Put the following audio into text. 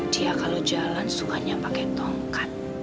dia kalau jalan sukanya pakai tongkat